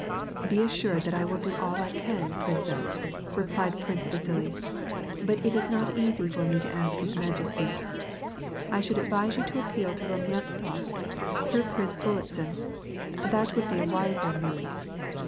^' Be assured that I will do all I can, princess/' replied Prince Vasili; ''but it is not easy for me to ask his maiesty; I should advise you to appeal to Bumyantsof through Prince Golitsin. That would be a wiser move."